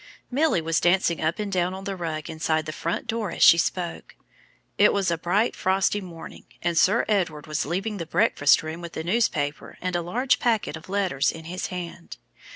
Milly was dancing up and down on the rug inside the front door as she spoke. It was a bright, frosty morning, and Sir Edward was leaving the breakfast room with the newspaper and a large packet of letters in his hand.